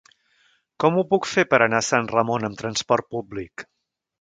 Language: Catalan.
Com ho puc fer per anar a Sant Ramon amb trasport públic?